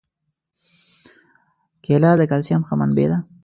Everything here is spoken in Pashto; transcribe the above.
کېله د کلسیم ښه منبع ده.